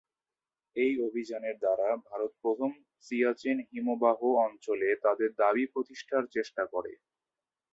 এই অভিযানের দ্বারা ভারত প্রথম সিয়াচেন হিমবাহ অঞ্চলে তাদের দাবী প্রতিষ্ঠার চেষ্টা করে।